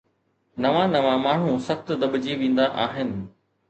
نوان نوان ماڻهو سخت دٻجي ويندا آهن